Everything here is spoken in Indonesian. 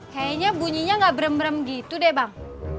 kayaknya bunyinya gak berem berem gitu deh bang